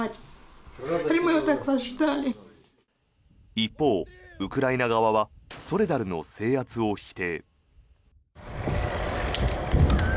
一方、ウクライナ側はソレダルの制圧を否定。